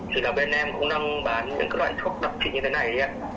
thì là bên em cũng đang bán những loại thuốc đặc trị như thế này ý ạ